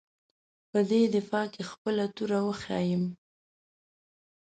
په دې دفاع کې خپله توره وښیيم.